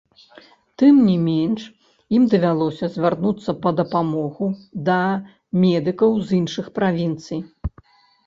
Тым не менш, ім давялося звярнуцца па дапамогу да медыкаў з іншых правінцый.